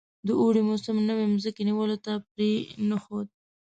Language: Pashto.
د اوړي موسم نوي مځکې نیولو ته پرې نه ښود.